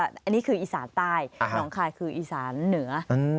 อันนี้คืออีสานใต้หนองคายคืออีสานเหนือ